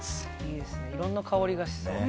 いろんな香りがしそう。